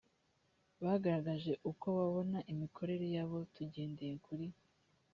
bagaragaje uko babona imikorere yabo tugendeye kuri